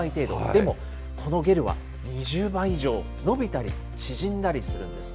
でもこのゲルは、２０倍以上伸びたり縮んだりするんです。